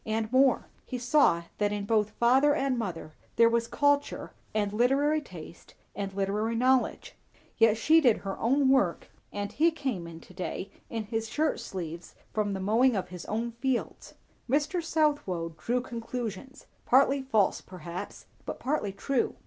And more; he saw that in both father and mother there was culture and literary taste and literary knowledge. Yet she did her own work, and he came in to day in his shirt sleeves from the mowing of his own fields. Mr. Southwode drew conclusions, partly false perhaps, but partly true.